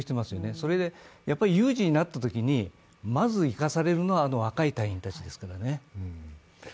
それでやっぱり有事になったときにまず行かされるのは、あの若い隊員たちですからね。